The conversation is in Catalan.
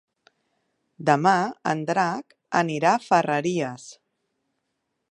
Demà en Drac anirà a Ferreries.